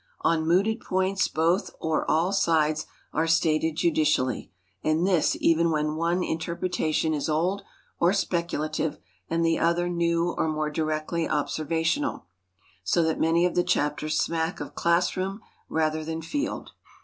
On mooted points both or all sides are stated judicially, and this even when one interpretation is old or speculative and the other new or more directly observational, so that many of the chapters smack of class room rather than field.